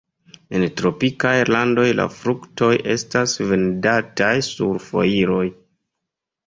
En tropikaj landoj la fruktoj estas vendataj sur foiroj.